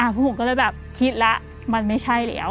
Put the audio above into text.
พวกผมก็เลยแบบคิดแล้วมันไม่ใช่แล้ว